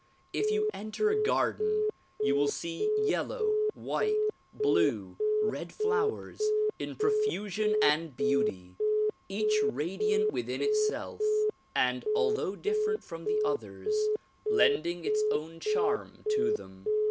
If you enter a garden, you will see yellow, white, blue, red flowers in profusion and beauty; eash radiant within itself and although different from the others, lend ing its own charm to them.